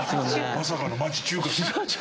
まさかの町中華ですか？